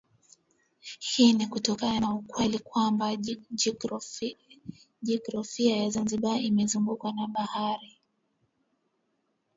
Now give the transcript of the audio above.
Hii ni kutokana na ukweli kwamba jiografia ya Zanzibar imezungukwa na bahari